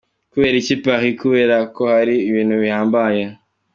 "Kubera iki Paris? Kubera ko hari ibintu bihambaye.